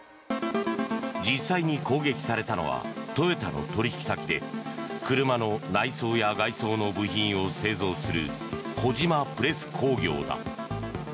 実際に攻撃されたのはトヨタの取引先で車の内装や外装の部品を製造する小島プレス工業だ。